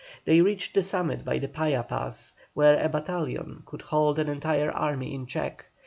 They reached the summit by the Paya pass, where a battalion could hold an entire army in check.